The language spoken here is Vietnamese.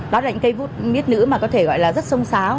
đó là những cây vút miết nữ mà có thể gọi là rất sông sáo